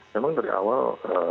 memang dari awal